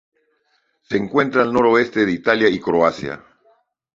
Se encuentra al noreste de Italia y Croacia.